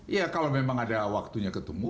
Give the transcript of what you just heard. iya kalau memang ada waktunya ketemu